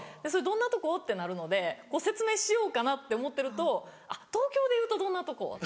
「それどんなとこ？」ってなるので説明しようかなって思ってると「東京でいうとどんなとこ？」